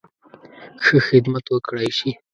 ښه خدمت وکړای شي.